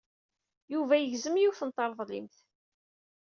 Yuba yegzem yiwet n treḍlimt.